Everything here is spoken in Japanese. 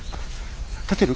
立てる？